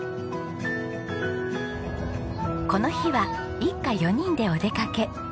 この日は一家４人でお出かけ。